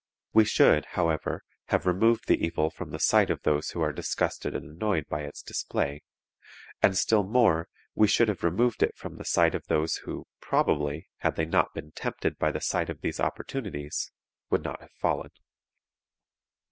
We should, however, have removed the evil from the sight of those who are disgusted and annoyed by its display; and, still more, we should have removed it from the sight of those who, probably, had they not been tempted by the sight of these opportunities, would not have fallen.